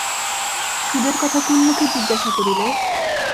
সুদের কথা কোন মুখে জিজ্ঞাসা করিলে?